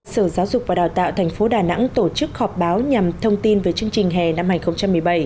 sở giáo dục và đào tạo tp đà nẵng tổ chức họp báo nhằm thông tin về chương trình hè năm hai nghìn một mươi bảy